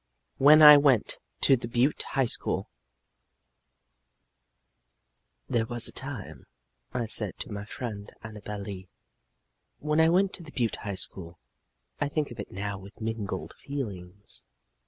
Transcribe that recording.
XIII WHEN I WENT TO THE BUTTE HIGH SCHOOL "There was a time," I said to my friend Annabel Lee, "when I went to the Butte High School. I think of it now with mingled feelings."